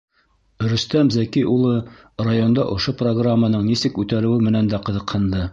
Рөстәм Зәки улы районда ошо программаның нисек үтәлеүе менән дә ҡыҙыҡһынды.